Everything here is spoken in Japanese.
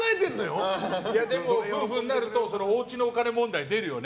夫婦になるとおうちのお金問題、出るよね。